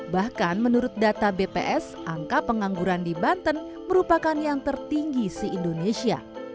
bahkan menurut data bps angka pengangguran di banten merupakan yang tertinggi di indonesia